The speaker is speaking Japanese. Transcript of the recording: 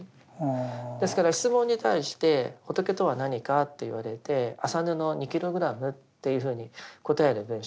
ですから質問に対して仏とは何かと言われて麻布２ｋｇっていうふうに答える文章。